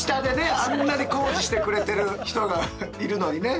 あんなに工事してくれてる人がいるのにね。